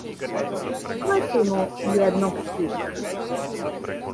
Ухвати му једног сина,